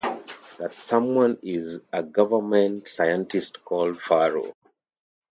That someone is a government scientist called Farrow.